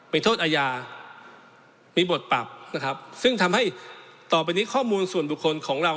มีโทษอาญามีบทปรับนะครับซึ่งทำให้ต่อไปนี้ข้อมูลส่วนบุคคลของเรา